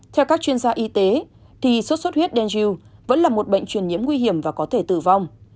theo các chuyên gia y tế thì sốt xuất huyết denju vẫn là một bệnh truyền nhiễm nguy hiểm và có thể tử vong